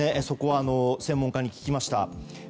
そこは、専門家に聞きました。